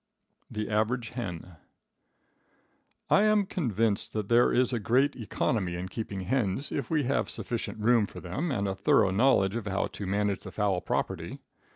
The Average Hen. I am convinced that there is great economy in keeping hens if we have sufficient room for them and a thorough knowledge of how to manage the fowl property.